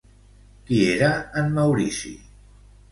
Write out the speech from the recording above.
Qui era en Maurici?